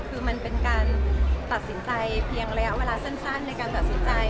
คือมันเป็นการตัดสินใจเพียงระยะเวลาสั้นในการตัดสินใจ